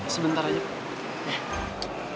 sebentar aja pak